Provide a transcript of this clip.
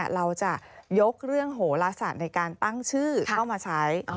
เราจะยกเรื่องโหลศาสตร์ในการตั้งชื่อเข้ามาใช้